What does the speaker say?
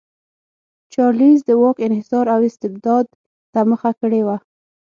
چارلېز د واک انحصار او استبداد ته مخه کړې وه.